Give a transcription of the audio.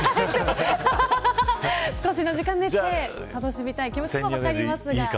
少しの時間ですが楽しみたい気持ちも分かります。